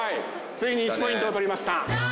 ついに１ポイントを取りました。